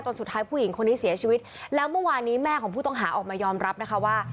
สุดท้ายผู้หญิงคนนี้เสียชีวิตแล้วเมื่อวานนี้แม่ของผู้ต้องหาออกมายอมรับนะคะว่า